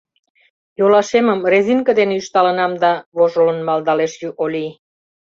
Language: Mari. — Йолашемым резинке дене ӱшталынам да... — вожылын малдалеш Олий.